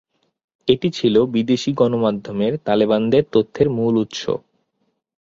এটি ছিল বিদেশি গণমাধ্যমের তালেবানদের তথ্যের মূল উৎস।